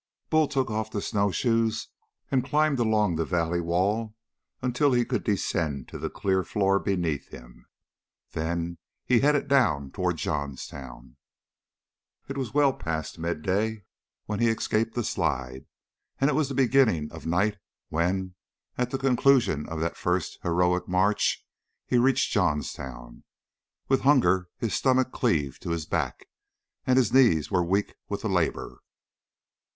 Bull took off the snowshoes and climbed along the valley wall until he could descend to the clear floor beneath him. Then he headed down toward Johnstown. It was well past midday when he escaped the slide; it was the beginning of night when, at the conclusion of that first heroic march, he reached Johnstown. With hunger his stomach cleaved to his back, and his knees were weak with the labor.